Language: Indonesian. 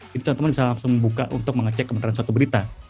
jadi teman teman bisa langsung membuka untuk mengecek kebenaran suatu berita